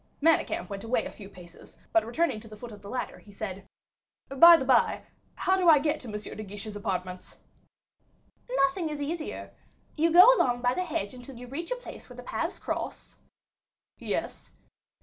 Manicamp went away a few paces, but returning to the foot of the ladder, he said, "By the by, how do I get to M. de Guiche's apartments?" "Nothing easier. You go along by the hedge until you reach a place where the paths cross." "Yes."